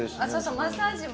マッサージも。